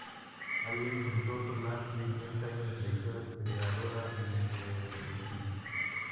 Hoy es un escultor con más treinta años de trayectoria creadora e ininterrumpida.